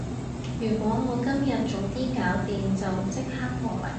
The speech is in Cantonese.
如果我今日早啲搞掂，就即刻過嚟